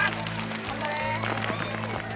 頑張れ！